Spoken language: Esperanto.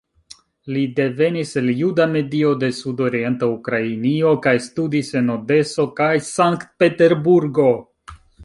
Li devenis el juda medio de Sudorienta Ukrainio kaj studis en Odeso kaj Sankt-Peterburgo.